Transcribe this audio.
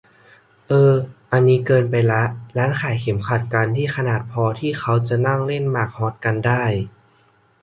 เอ่อ อันนี้เกินไปละ ร้านขายเข็มขัดกันที่ขนาดพอที่เขาจะนั่งเล่นหมากฮอสกันได้